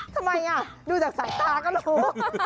ทำไมดูจากสายตาก็รู้